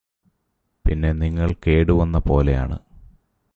പിന്നെ നിങ്ങള് കേടുവന്ന പോലെയാണ്